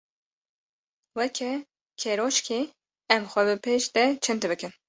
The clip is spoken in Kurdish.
Weke keroşkê em xwe bi pêş de çind bikin.